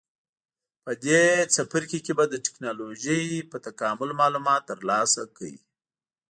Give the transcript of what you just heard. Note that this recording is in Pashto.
په دې څپرکي کې به د ټېکنالوجۍ په تکامل معلومات ترلاسه کړئ.